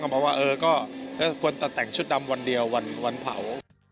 บอกว่าเออก็ควรจะแต่งชุดดำวันเดียววันเผา